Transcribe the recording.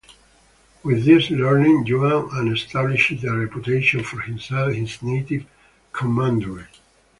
With this learning, Yuan An established a reputation for himself in his native commandery.